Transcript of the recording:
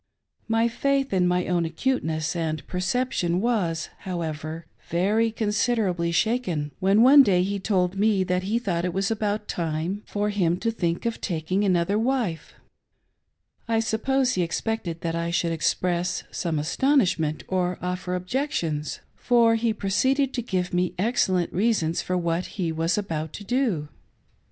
My faith in my own acuteness and perception was, however, very considerably shaken when one day he told me that he thought it was about time for hinj to think of taking another wife. I suppose he expected that I should express some aston ishment or offer objections,, for he proceeded to give me 536 QUITE A DISTINGUISHED YOUNG LADY ! excellent reasons for what he was about to do.